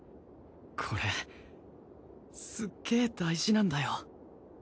これすっげえ大事なんだよ。